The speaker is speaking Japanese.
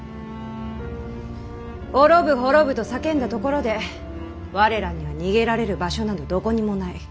滅ぶ滅ぶと叫んだところで我らには逃げられる場所などどこにもない。